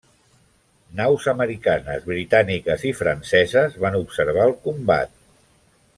Naus americanes, britàniques i franceses van observar el combat.